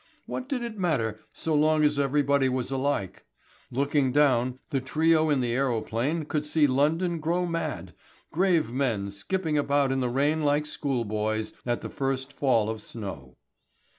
What did it matter so long as everybody was alike? Looking down, the trio in the aerophane could see London grow mad, grave men skipping about in the rain like school boys at the first fall of snow.